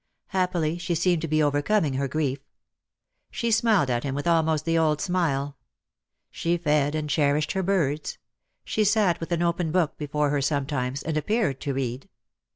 Happily, she seemed to be overcoming her grief. She smiled at him with almost the old smile. She fed and cherished her birds. She sat with an open book before her sometimes, and appeared to read.